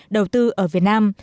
đầu tư ở việt nam